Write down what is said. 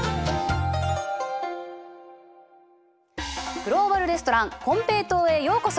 グローバル・レストランこんぺいとうへようこそ！